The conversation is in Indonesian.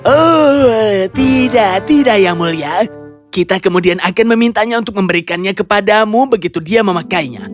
oh tidak tidak yang mulia kita kemudian akan memintanya untuk memberikannya kepadamu begitu dia memakainya